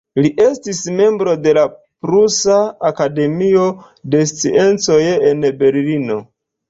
Li estis membro de la Prusa Akademio de Sciencoj en Berlino.